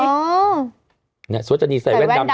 สวัสดิ์วาชนีใส่แว่นดำอยู่นะ